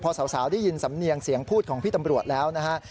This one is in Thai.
พอสาวได้ยินสำเนียงเสียงพูดของพี่ตำรวจแล้วนะฮะ